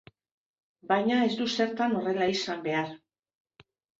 Baina ez du zertan horrela izan behar.